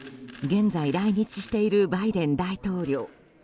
現在、来日しているバイデン大統領。